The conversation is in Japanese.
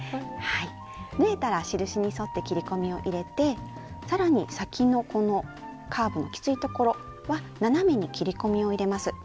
縫えたら印に沿って切り込みを入れてさらに先のこのカーブのきついところは斜めに切り込みを入れます。